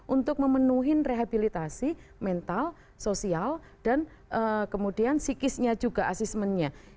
untuk memenuhi rehabilitasi mental sosial dan kemudian psikisnya juga asismennya